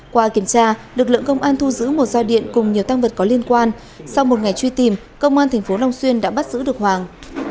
qua kiểm tra lực lượng công an thu giữ một dao điện cùng nhiều tăng vật có liên quan sau một ngày truy tìm công an tp long xuyên đã bắt giữ được hoàng